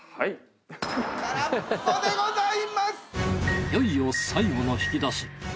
いよいよ最後の引き出し。